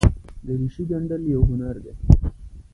دریشي ګنډل یوه هنر دی.